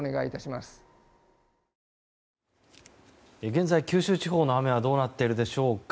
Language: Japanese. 現在、九州地方の雨はどうなっているでしょうか。